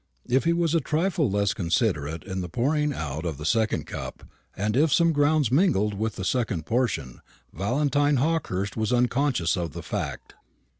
If he was a trifle less considerate in the pouring out of the second cup, and if some "grounds" mingled with the second portion, Valentine Hawkehurst was unconscious of the fact.